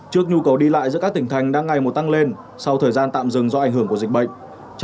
trước nhu cầu đi lại giữa các tỉnh thành đang ngày một tăng lên sau thời gian tạm dừng do ảnh hưởng của dịch bệnh